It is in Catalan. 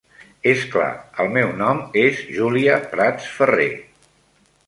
És clar, el meu nom és Júlia Prats Ferrer.